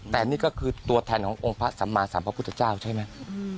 แต่นี่ก็คือตัวแทนขององค์พระสัมมาสัมพระพุทธเจ้าใช่ไหม